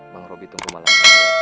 bang robi tunggu malam